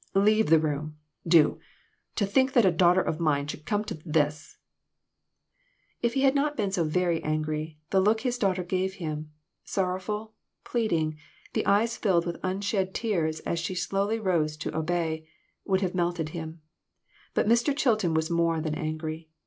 Leave the room, do. To think that a daughter of mine should come to this !" If he had not been so very angry, the look his daughter gave him sorrowful, pleading, the eyes filled with unshed tears as she slowly rose to obey would have melted him. But Mr. Chilton was more than angry.